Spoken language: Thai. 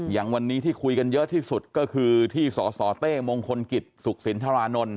อย่างวันนี้ที่คุยกันเยอะที่สุดก็คือที่สสเต้มงคลกิจสุขสินทรานนท์